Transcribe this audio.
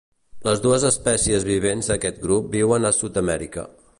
Les dues espècies vivents d'aquest grup viuen a Sud-amèrica.